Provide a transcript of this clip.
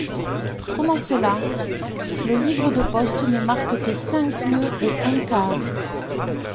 Comment cela ? le livre de poste ne marque que cinq lieues et un quart.